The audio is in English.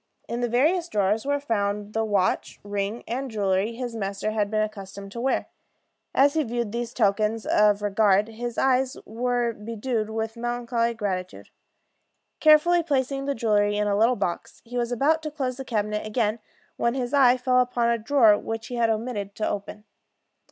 In the various drawers were found the watch, rings, and jewelry his master had been accustomed to wear. As he viewed these tokens of regard, his eyes were bedewed with melancholy gratitude. Carefully placing the jewelry in a little box, he was about to close the cabinet again, when his eye fell upon a drawer which he had omitted to open.